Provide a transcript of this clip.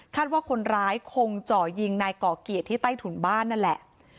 ว่าคนร้ายคงเจาะยิงนายก่อเกียรติที่ใต้ถุนบ้านนั่นแหละ